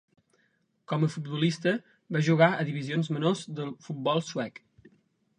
Com a futbolista, va jugar a divisions menors del futbol suec.